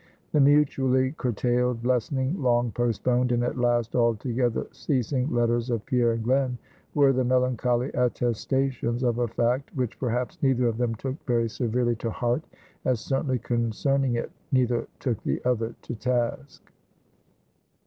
The mutually curtailed, lessening, long postponed, and at last altogether ceasing letters of Pierre and Glen were the melancholy attestations of a fact, which perhaps neither of them took very severely to heart, as certainly, concerning it, neither took the other to task.